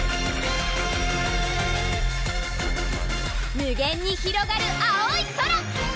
無限にひろがる青い空！